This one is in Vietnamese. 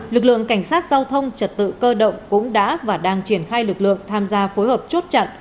lực lượng cảnh sát giao thông trật tự cơ động cũng đã và đang triển khai lực lượng tham gia phối hợp chốt chặn